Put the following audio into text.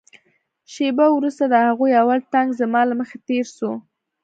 شېبه وروسته د هغوى اول ټانک زما له مخې تېر سو.